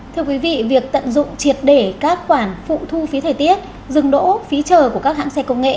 thưa quý vị việc tận dụng triệt để các khoản phụ thu phí thời tiết dừng đỗ phí chờ của các hãng xe công nghệ